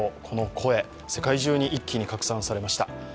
この声、世界中に一気に拡散されました。